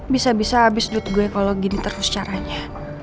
bisa bisa habis duit gue kalau gini terus caranya